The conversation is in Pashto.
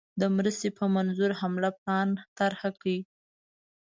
د مرستي په منظور حمله پلان طرح کړ.